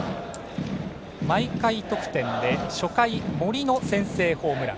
毎回得点で初回、森の先制ホームラン。